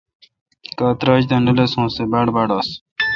کاں تراچ دا نہ لسونس تے باڑ باڑ انس